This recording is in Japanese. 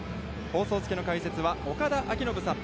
放送席の解説は、岡田彰布さん。